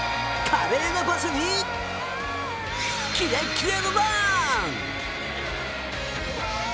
華麗なパスにキレッキレのラン。